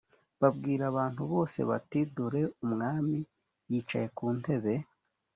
babwira abantu bose bati dore umwami yicaye ku ntebe